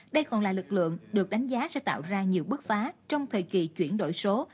đây còn là lực lượng được đánh giá sẽ tạo ra nhiều bước phá trong thời kỳ chuyển đổi số